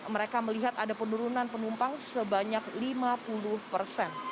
mereka melihat ada penurunan penumpang sebanyak lima puluh persen